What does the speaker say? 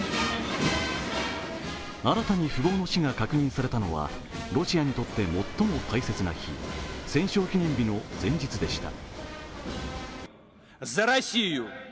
新たに富豪の死が確認されたのはロシアにとって最も大切な日、戦勝記念日の前日でした。